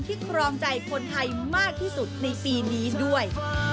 ครองใจคนไทยมากที่สุดในปีนี้ด้วย